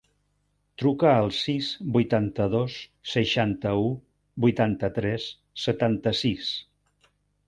Truca al sis, vuitanta-dos, seixanta-u, vuitanta-tres, setanta-sis.